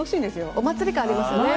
お祭り感ありますよね。